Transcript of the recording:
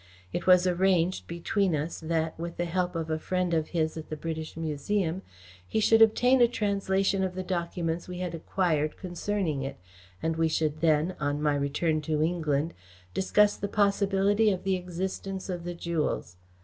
It was arranged between us that, with the help of a friend of his at the British Museum, he should obtain a translation of the documents we had acquired concerning it, and we should then, on my return to England, discuss the possibility of the existence of the jewels.